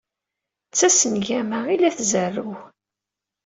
D tasengama i la izerrew.